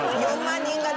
４万人が。